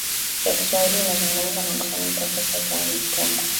ya kiswahili imezungumza na msomi profesa ibrahim lipumba